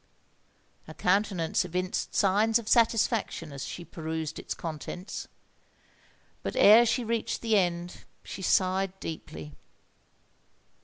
Her countenance evinced signs of satisfaction as she perused its contents; but ere she reached the end, she sighed deeply.